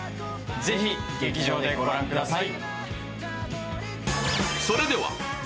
ぜひ劇場で御覧ください。